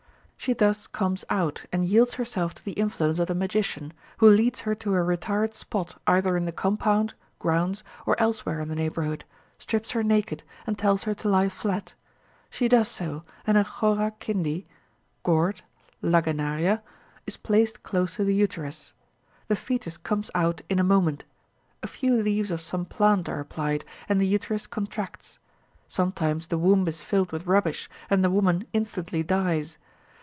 She thus comes out, and yields herself to the influence of the magician, who leads her to a retired spot either in the compound (grounds), or elsewhere in the neighbourhood, strips her naked, and tells her to lie flat. She does so, and a chora kindi (gourd, Lagenaria) is placed close to the uterus. The foetus comes out in a moment. A few leaves of some plant are applied, and the uterus contracts. Sometimes the womb is filled with rubbish, and the woman instantly dies.